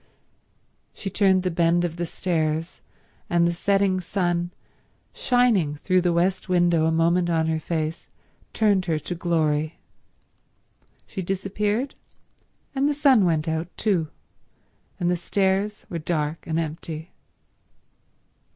She turned the bend of the stairs, and the setting sun, shining through the west window a moment on her face, turned her to glory. She disappeared, and the sun went out too, and the stairs were dark and empty.